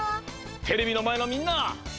テレビのまえのみんな！